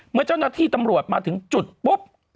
เมื่อเจ้าหน้าที่ตำรวจมาถึงจุดปุ๊บ